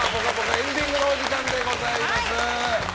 エンディングのお時間でございます。